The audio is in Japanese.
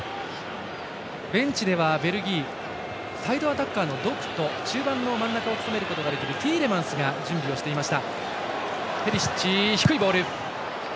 ベンチではベルギーサイドアタッカーのドクと中盤の真ん中を務めることができるティーレマンスが準備をしていました。